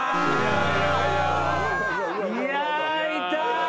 いやいた！